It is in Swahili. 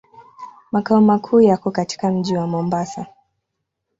Makao makuu yako katika mji wa Mombasa.